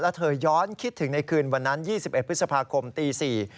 แล้วเธอย้อนคิดถึงในคืนวันนั้น๒๑พฤษภาคมตี๔